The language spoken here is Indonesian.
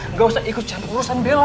enggak usah ikut catur urusan bella emah